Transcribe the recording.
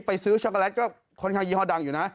ไปซื้อช็อกโกแลตก็ค่อนข้างยี่ห้อดังอยู่นะ